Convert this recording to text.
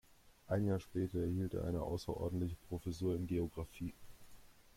Ein Jahr später erhielt er eine außerordentliche Professur in Geographie.